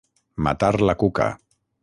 Matar la cuca.